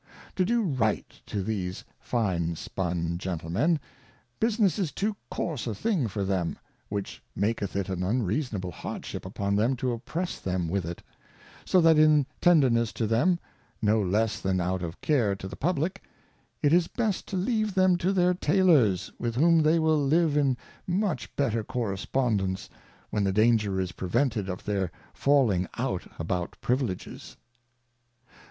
To do Right to these fine spun Gentlemen, Business is too coarse a thing for them, which maketh it an unreasonable Hardship upon them to oppress them with it ; so that in tenderness to them, no less than out of care to the Publick, it is best to leave them to their Taylors with whom they will live in much better Correspondence, when the Danger is prevented of their falling out about Privileges.